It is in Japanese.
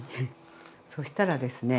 そしたらですね